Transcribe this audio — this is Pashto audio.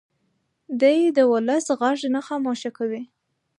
دی د ولس غږ نه خاموشه کوي.